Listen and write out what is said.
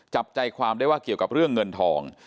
จับใจความได้ว่าเกี่ยวกับเรื่องเงินทอง